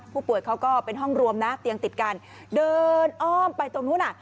ผู้ป่วยเขาก็เป็นห้องรวมนะเตียงติดกันเดินอ้อมไปตรงนู้นอ่ะ